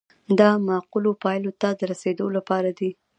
دا معقولو پایلو ته د رسیدو لپاره دی.